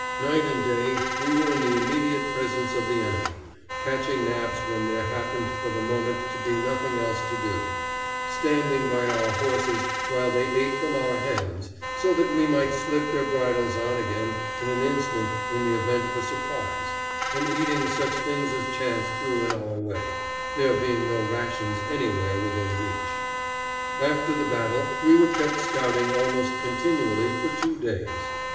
Night and day we were in the immediate presence of the enemy, catching naps when there happened for the moment to be nothing else to do, standing by our horses while they ate from our hands, so that we might slip their bridles on again in an instant in the event of a surprise, and eating such things as chance threw in our way, there being no rations anywhere within reach. After the battle, we were kept scouting almost continually for two days.